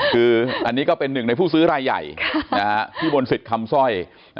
คืออันนี้ก็เป็นหนึ่งในผู้ซื้อรายใหญ่พี่มนต์สิทธิ์คำสร้อย